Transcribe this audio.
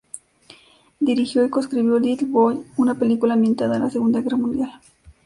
Dirigió y co-escribió "Little Boy", una película ambientada en la Segunda Guerra Mundial.